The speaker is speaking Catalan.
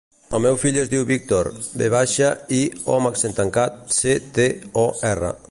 El meu fill es diu Víctor: ve baixa, i amb accent tancat, ce, te, o, erra.